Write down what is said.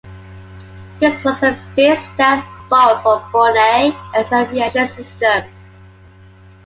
This was a big step forward for Bonaire and its aviation system.